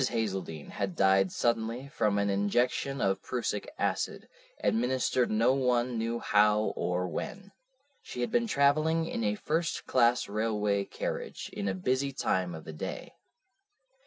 Hazeldene had died suddenly from an injection of prussic acid, administered no one knew how or when. She had been travelling in a first class railway carriage in a busy time of the day.